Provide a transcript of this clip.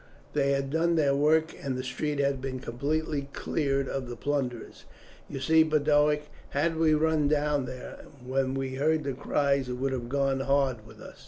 They had done their work, and the street had been completely cleared of the plunderers. "You see, Boduoc, had we run down there when we heard the cries it would have gone hard with us.